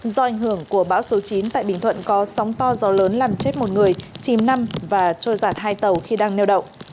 do ảnh hưởng của bão số chín tại bình thuận có sóng to gió lớn làm chết một người chìm năm và trôi giặt hai tàu khi đang neo đậu